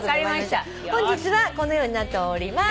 本日はこのようになっております。